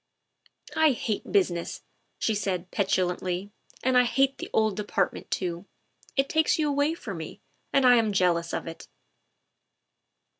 " I hate business," she said petulantly, " and I hate the old Department too. It takes you away from me, and I am jealous of it."